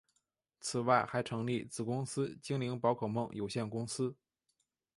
此外还成立子公司精灵宝可梦有限公司。